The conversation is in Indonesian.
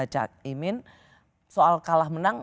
cak imin soal kalah menang